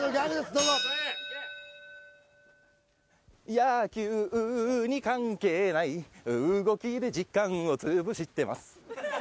どうぞ野球に関係ない動きで時間をつぶしてます